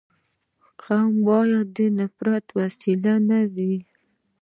قوم باید د نفرت وسیله نه وي.